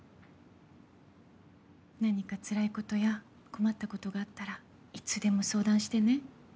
何かつらいことや困ったことがあったらいつでも相談してね。